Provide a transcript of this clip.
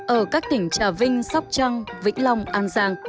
ở các tỉnh trà vinh sóc trăng vĩnh long an giang